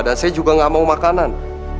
dan saya juga gak mau makanan